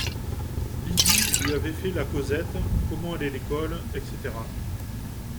Lydie lui avait fait la causette, comment allait l’école, etc.